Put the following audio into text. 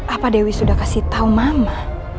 apa dewi sudah kasih tahu mama